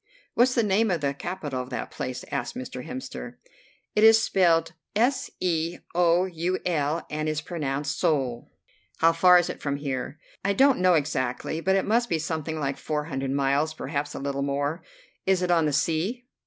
"What's the name of the capital of that place?" asked Mr. Hemster. "It is spelled S e o u l, and is pronounced 'Sool.'" "How far is it from here?" "I don't know exactly, but it must be something like four hundred miles, perhaps a little more." "It is on the sea?"